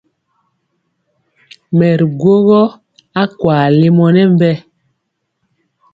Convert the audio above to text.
Mɛ ri gwogɔ akwaa lemɔ nɛ mbɛ.